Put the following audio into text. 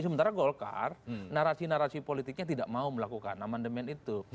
sementara golkar narasi narasi politiknya tidak mau melakukan amandemen itu